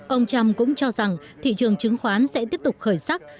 ông trump cũng cho rằng thị trường chứng khoán sẽ tiếp tục khởi sắc